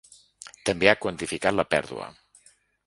També ha quantificat la pèrdua.